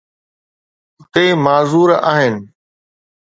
هتي معذور آهن.